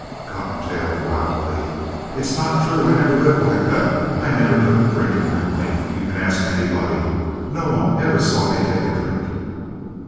COTTONTAIL (wildly) It's not true. I never lived like that. I never took a drink in my life. You can ask anybody. Nobody ever saw me take a drink.